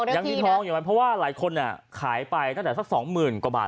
ยังมีทองอยู่ไหมเพราะว่าหลายคนขายไปตั้งแต่สัก๒๐๐๐กว่าบาท